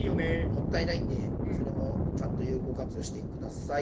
もったいないんでそれもちゃんと有効活用して下さい。